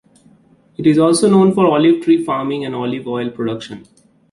It is also known for olive tree farming and olive oil production.